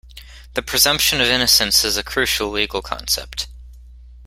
The presumption of innocence is a crucial legal concept.